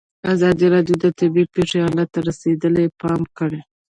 ازادي راډیو د طبیعي پېښې حالت ته رسېدلي پام کړی.